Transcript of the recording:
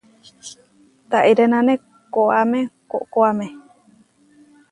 Taʼirénane koʼáme koʼkoáme.